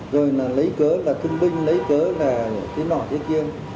rồi lấy cớ là thương binh lấy cớ là cái nọ thế kia